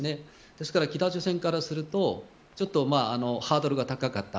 ですから、北朝鮮からするとちょっとハードルが高かった。